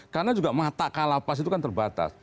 karena juga mata kalapas itu kan terbatas